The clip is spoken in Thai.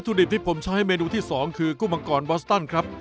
วัตถุดิบที่ผมใช้ในเมนูที่สองคือกุ้มังกรบอสตั่นครับ